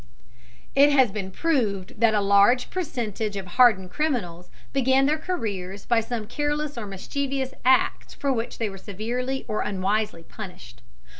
It has been proved that a large percentage of hardened criminals begin their careers by some careless or mischievous act for which they were severely or unwisely punished.